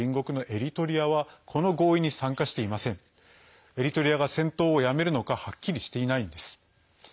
エリトリアが戦闘をやめるのかはっきりしていないんです。